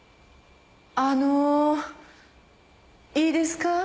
あのいいですか？